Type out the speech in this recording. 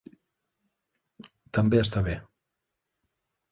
També està bé.